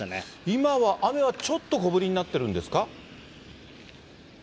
今は雨はちょっと小降りになってるんですか？